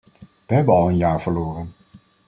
We hebben al een jaar verloren.